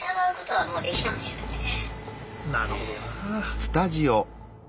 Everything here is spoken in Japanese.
なるほどな。